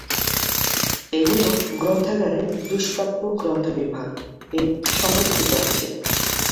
এগুলো গ্রন্থাগারের 'দুষ্প্রাপ্য গ্রন্থ বিভাগ'-এ সংরক্ষিত আছে।